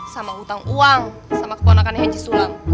sama hutang uang sama keponakannya haji sulam